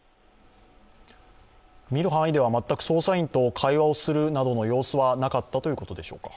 見る範囲では全く捜査員を会話するなどの様子はなかったということでしょうか？